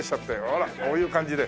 ほらこういう感じで。